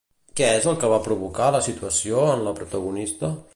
Què és el que va provocar la situació en la protagonista?